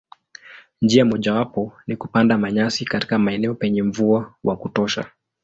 Njia mojawapo ni kupanda manyasi katika maeneo penye mvua wa kutosha.